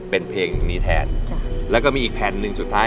เป็นเพลงนี้แทนแล้วก็มีอีกแผ่นหนึ่งสุดท้าย